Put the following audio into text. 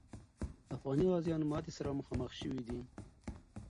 افغاني غازیان ماتي سره مخامخ سوي دي.